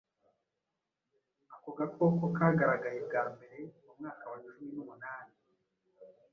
Ako gakoko kagaragaye bwa mbere mu mwaka wa cumi numunani,